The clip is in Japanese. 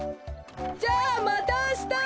じゃあまたあした！